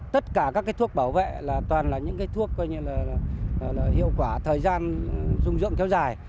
tất cả các thuốc bảo vệ toàn là những thuốc hiệu quả thời gian dung dụng kéo dài